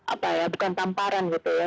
apa ya bukan tamparan gitu ya